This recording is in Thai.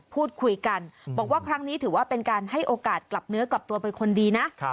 พูดคุยกันบอกว่าครั้งนี้ถือว่าเป็นการให้โอกาสกลับเนื้อกลับตัวเป็นคนดีนะ